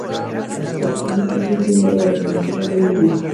El O"ṃ" es el símbolo de lo esencial en el hinduismo.